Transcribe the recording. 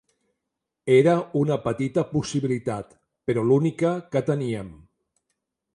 Era una petita possibilitat, però l'única que teníem.